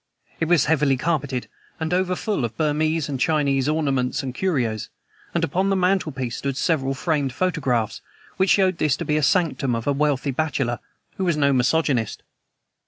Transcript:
It was heavily carpeted, and over full of Burmese and Chinese ornaments and curios, and upon the mantelpiece stood several framed photographs which showed this to be the sanctum of a wealthy bachelor who was no misogynist.